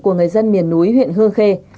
của người dân miền núi huyện hương khê